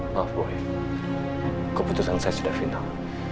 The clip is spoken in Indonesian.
maaf boy keputusan saya sudah final